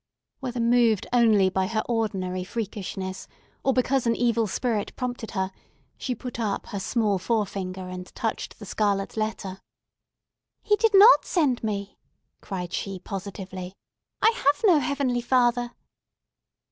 Whether moved only by her ordinary freakishness, or because an evil spirit prompted her, she put up her small forefinger and touched the scarlet letter. "He did not send me!" cried she, positively. "I have no Heavenly Father!"